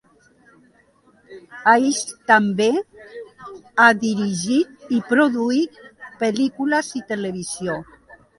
Hays també ha dirigit i produït pel·lícules i televisió.